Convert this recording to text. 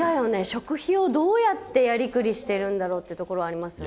食費をどうやってやりくりしてるんだろう？っていうところありますよね。